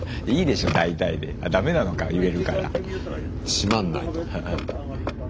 閉まんないの？